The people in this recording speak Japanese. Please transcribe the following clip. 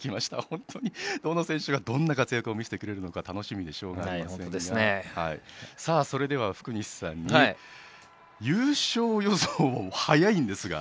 本当に、どの選手がどんな活躍を見せてくれるのか楽しみでしょうがないんですが。